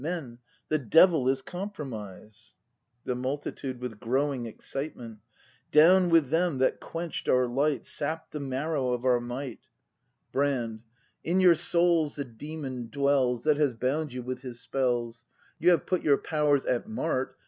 Men ! The Devil is compromise! The Multitude. [With growing excitement^ Down with them that quench'd our light Sapp'd the marrow of our might! 258 BRAND [act v Brand. In your souls the demon dwells That has bound you with his spells. You have put your powers at mart.